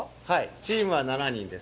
チームは７人です。